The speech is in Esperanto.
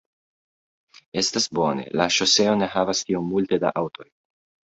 Estas bone, la ŝoseo ne havas tiom multe da aŭtoj